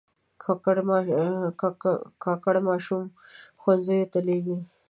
کاکړ ماشومان ښوونځیو ته لېږي.